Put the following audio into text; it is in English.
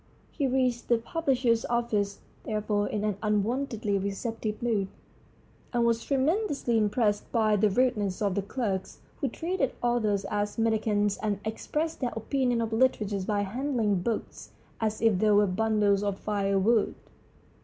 He reached the publisher's office, therefore, in an unwontedly receptive mood, and was tremendously impressed by the rudeness of the clerks, who treated authors as mendicants and expressed their opinion of literature by handling books as if they were bundles of firewood.